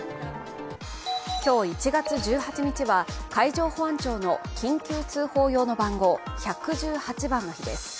今日１月１８日は、海上保安庁の緊急通報用の番号、１１８番の日です。